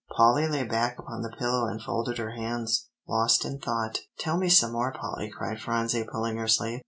Polly lay back upon the pillow and folded her hands, lost in thought. "Tell me some more, Polly," cried Phronsie, pulling her sleeve.